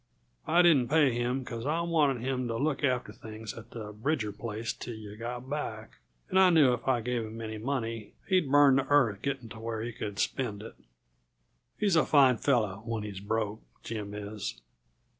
I didn't pay him, because I wanted him to look after things at the Bridger place till yuh got back, and I knew if I give him any money he'd burn the earth getting to where he could spend it. He's a fine fellow when he's broke Jim is."